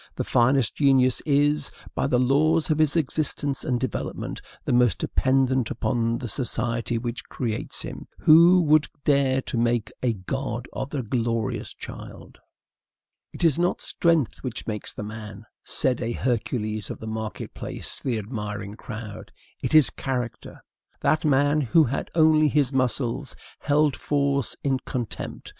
The finest genius is, by the laws of his existence and development, the most dependent upon the society which creates him. Who would dare to make a god of the glorious child? "It is not strength which makes the man," said a Hercules of the market place to the admiring crowd; "it is character." That man, who had only his muscles, held force in contempt.